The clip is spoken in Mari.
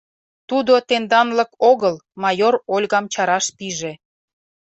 Тудо тенданлык огыл, — майор Ольгам чараш пиже.